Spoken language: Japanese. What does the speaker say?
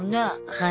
はい。